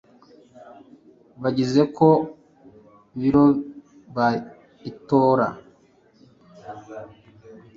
bagize ku biro by itora